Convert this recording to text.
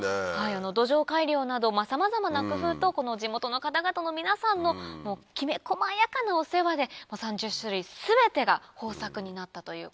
土壌改良などさまざまな工夫と地元の方々の皆さんのきめ細やかなお世話で３０種類全てが豊作になったということでした。